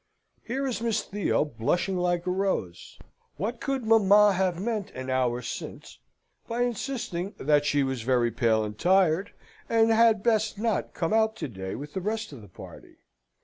Here is Miss Theo blushing like a rose. What could mamma have meant an hour since by insisting that she was very pale and tired, and had best not come out to day with the rest of the party?